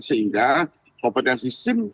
sehingga kompetensi sim